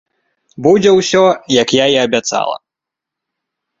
Будзе ўсё, як я і абяцала.